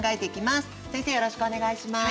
よろしくお願いします。